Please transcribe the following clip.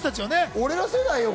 俺ら世代よ。